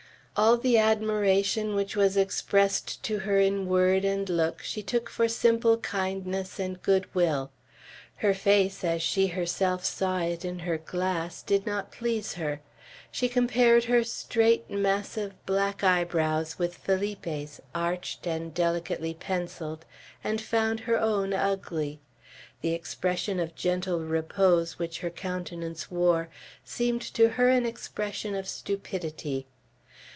All the admiration which was expressed to her in word and look she took for simple kindness and good will. Her face, as she herself saw it in her glass, did not please her. She compared her straight, massive black eyebrows with Felipe's, arched and delicately pencilled, and found her own ugly. The expression of gentle repose which her countenance wore, seemed to her an expression of stupidity.